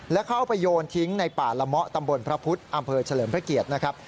แล้วเขาเอาไปโยนทิ้งในป่าละเมาะตำบลพระพุทธอำเภอเฉลิมพระเกียรตินะครับ